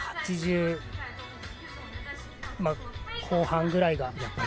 ８０後半ぐらいが。